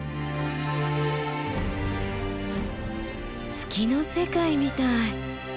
月の世界みたい。